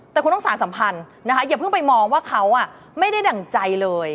แต่คุณต้องสารสัมพันธ์นะคะอย่าเพิ่งไปมองว่าเขาไม่ได้ดั่งใจเลย